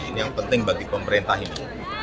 ini yang penting bagi pemerintah ini